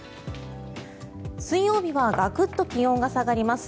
水曜日はガクッと気温が下がります。